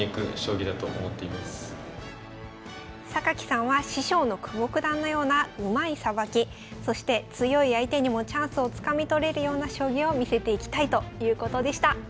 榊さんは師匠の久保九段のようなうまいさばきそして強い相手にもチャンスをつかみ取れるような将棋を見せていきたいということでした。